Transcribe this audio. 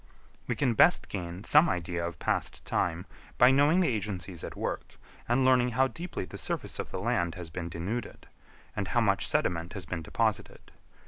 We can best gain some idea of past time by knowing the agencies at work; and learning how deeply the surface of the land has been denuded, and how much sediment has been deposited.